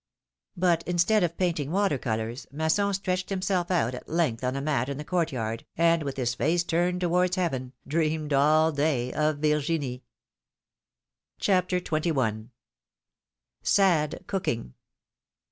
But instead of painting water colors, Masson stretched himself out at length on a mat in the court yard, and, with his face turned towards Heaven, dreamed all day of Virginie! 168 philomene's marriages. CHAPTER XXI. SAD COOKING.